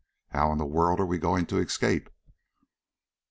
How in the world are we going to escape?"